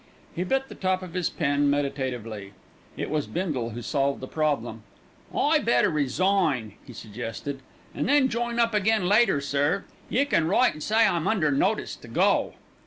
He bit the top of his pen meditatively. It was Bindle who solved the problem. "I better resign," he suggested, "and then join up again later, sir. You can write an' say I'm under notice to go."